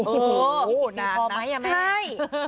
อูหูวนี่พอมั้ยอะแม่ใช่ธุระ